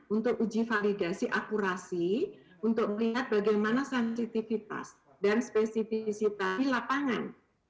untuk uji validasi akurasi untuk melihat bagaimana sensitivitas dan spesifikasi lapangan